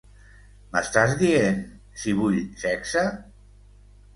M'estàs dient si vull sexe?